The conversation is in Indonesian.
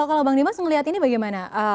kalau bang dimas melihat ini bagaimana